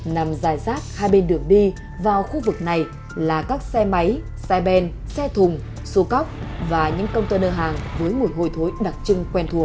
nằm dài rác hai bên đường đi vào khu vực này là các xe máy xe bèn xe thùng xô cóc và những công tơ đơn hàng với mùi hồi thối đặc trưng quen thuộc